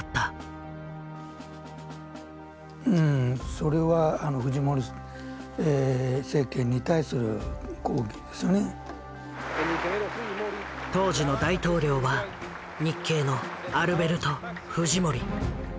それは当時の大統領は日系のアルベルト・フジモリ。